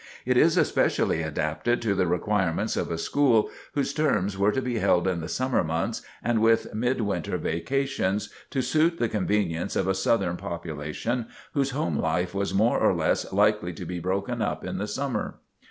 It is especially adapted to the requirements of a school whose terms were to be held in the summer months and with mid winter vacations, to suit the convenience of a southern population whose home life was more or less likely to be broken up in the summer.